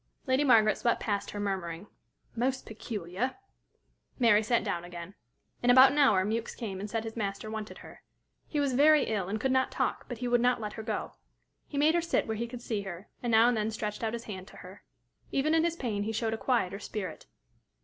Lady Margaret swept past her, murmuring, "Most peculiar!" Mary sat down again. In about an hour, Mewks came and said his master wanted her. He was very ill, and could not talk, but he would not let her go. He made her sit where he could see her, and now and then stretched out his hand to her. Even in his pain he showed a quieter spirit.